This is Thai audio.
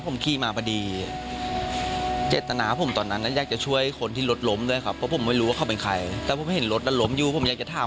ร่วมกันจะพยายามค่าเจ้านัทธีตำรวจคณะปฏิบัติหน้าที่ครับ